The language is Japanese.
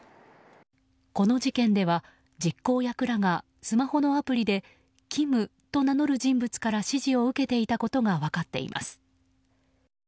この事件では実行役らがスマホのアプリでキムと名乗る人物から指示を受けていたことが分かっています。